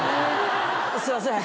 すいません。